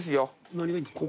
何がいいんですか？